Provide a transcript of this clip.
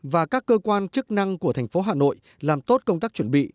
và các cơ quan chức năng của thành phố hà nội làm tốt công tác chuẩn bị